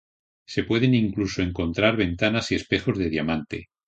Se pueden incluso encontrar ventanas y espejos de diamante.